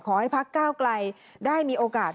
ขอให้พักก้าวกลายได้มีโอกาส